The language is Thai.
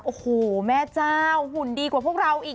โอ้โหแม่เจ้าหุ่นดีกว่าพวกเราอีก